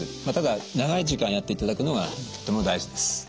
まあただ長い時間やっていただくのがとても大事です。